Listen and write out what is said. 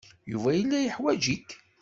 Yuba yella yeḥwaj-ik.